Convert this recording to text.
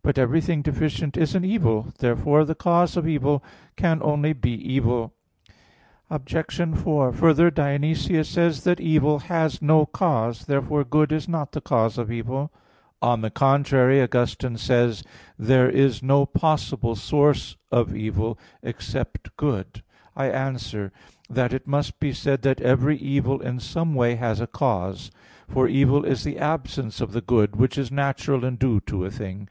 But everything deficient is an evil. Therefore the cause of evil can only be evil. Obj. 4: Further, Dionysius says (Div. Nom. iv) that evil has no cause. Therefore good is not the cause of evil. On the contrary, Augustine says (Contra Julian. i, 9): "There is no possible source of evil except good." I answer that, It must be said that every evil in some way has a cause. For evil is the absence of the good, which is natural and due to a thing.